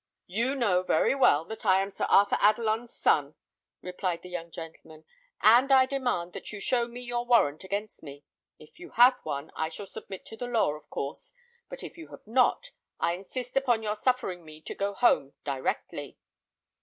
"You know very well that I am Sir Arthur Adelon's son," replied the young gentleman; "and I demand that you show me your warrant against me. If you have one, I shall submit to the law, of course; but if you have not, I insist upon your suffering me to go home directly."